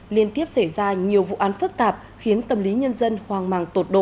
liên tiếp xảy ra nhiều vụ án phức tạp khiến tâm lý nhân dân hoang màng tột độ